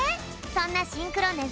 そんなシンクロね